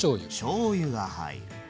しょうゆが入る。